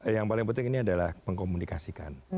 yang paling penting ini adalah mengkomunikasikan